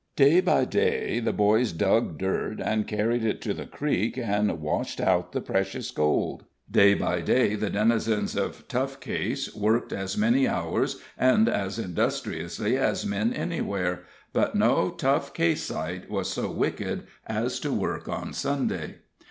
Day by day the boys dug dirt, and carried it to the creek, and washed out the precious gold; day by day the denizens of Tough Case worked as many hours and as industriously as men anywhere. But no Tough Caseite was so wicked as to work on Sunday.